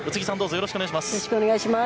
よろしくお願いします。